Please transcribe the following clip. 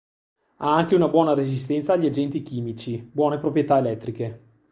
Ha anche una buona resistenza agli agenti chimici, buone proprietà elettriche.